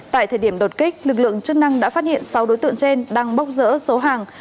tại thời điểm đột kích lực lượng chức năng đã phát hiện sáu đối tượng trên đang bốc rỡ số hàng